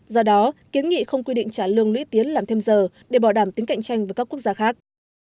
do đó kiến nghị không quy định trả lương lũy tiến làm thêm giờ để bảo đảm tính cạnh tranh với các quốc gia khác